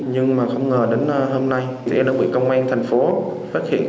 nhưng mà không ngờ đến hôm nay thì em đã bị công an thành phố phát hiện